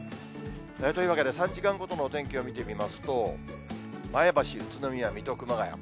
というわけで、３時間ごとのお天気を見ていきますと、前橋、宇都宮、水戸、熊谷。